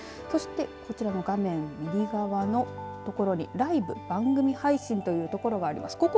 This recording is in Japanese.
そしてこちらの画面右側のところにライブ、番組配信というところがあります。